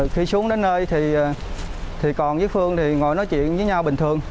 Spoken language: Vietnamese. khi xuống đến nơi thì còn với phương thì ngồi nói chuyện với nhau bình thường